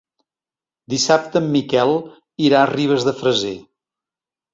Dissabte en Miquel irà a Ribes de Freser.